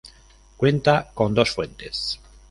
Cuenta con dos fuentes.